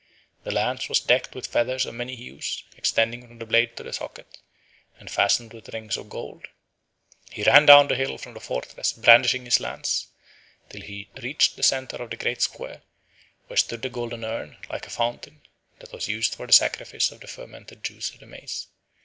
The lance was decked with feathers of many hues, extending from the blade to the socket, and fastened with rings of gold. He ran down the hill from the fortress brandishing his lance, till he reached the centre of the great square, where stood the golden urn, like a fountain, that was used for the sacrifice of the fermented juice of the maize.